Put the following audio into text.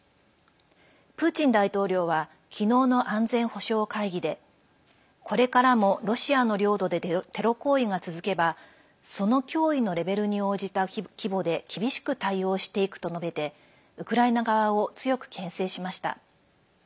プーチン大統領は昨日の安全保障会議でこれからも、ロシアの領土でテロ行為が続けばその脅威のレベルに応じた規模で厳しく対応していくと述べてウクライナ側を強くけん制しました。